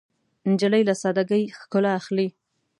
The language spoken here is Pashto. نجلۍ له سادګۍ ښکلا اخلي.